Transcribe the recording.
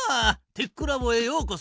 テックラボへようこそ。